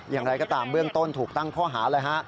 อย่างไรก็ตามเบื้องต้นถูกตั้งข้อหาเลยฮะ